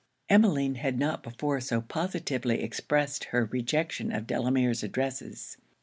Emmeline had not before so positively expressed her rejection of Delamere's addresses.